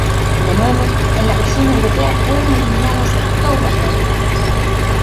De nuevo, en la versión europea fueron eliminadas todas las voces.